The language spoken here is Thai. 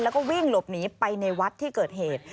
แล้วก็วิ่งหลบหนีไปในวัดที่เกิดเหตุ